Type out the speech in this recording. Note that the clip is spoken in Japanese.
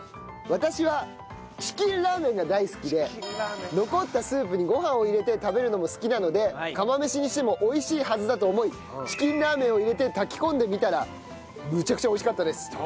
私はチキンラーメンが大好きで残ったスープにご飯を入れて食べるのも好きなので釜飯にしても美味しいはずだと思いチキンラーメンを入れて炊き込んでみたらむちゃくちゃ美味しかったです。